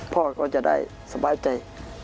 พ่อก็จะได้สบายใจ